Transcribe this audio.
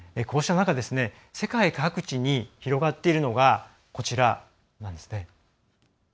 こうした中世界各地に広がっているのがこちらなんですね。